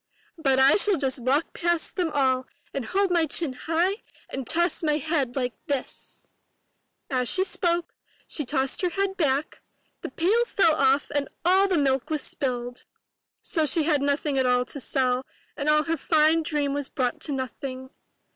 But I shall just walk past them all and hold my chin high and toss my head like this —" As she spoke, she tossed her head back, the pail fell off and all the milk was spilled ! So she had nothing at all to sell and all her fine dream was brought to nothing.